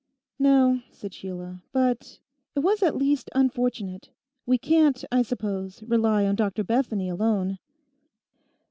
'No,' said Sheila; 'but—it was at least unfortunate. We can't, I suppose, rely on Dr Bethany alone.